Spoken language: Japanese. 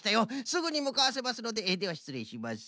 すぐにむかわせますのでではしつれいします。